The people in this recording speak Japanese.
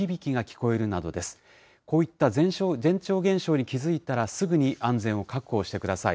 こういった前兆現象に気付いたら、すぐに安全を確保してください。